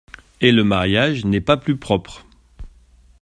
Et le mariage n'est pas plus propre.